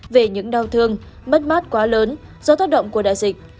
về những đau thương mất mát quá lớn do tác động của đại dịch